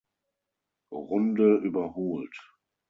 Runde überholt.